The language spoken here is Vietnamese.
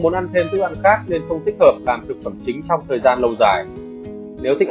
món ăn thêm thức ăn khác nên không thích hợp làm thực phẩm chính trong thời gian lâu dài nếu tính